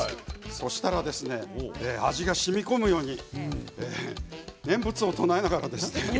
そしたら味がしみこむように念仏を唱えながらですね。